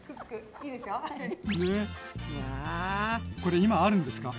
これ今あるんですか？